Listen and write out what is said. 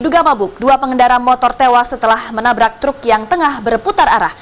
duga mabuk dua pengendara motor tewas setelah menabrak truk yang tengah berputar arah